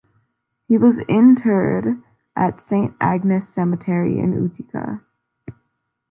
He was interred at Saint Agnes Cemetery in Utica.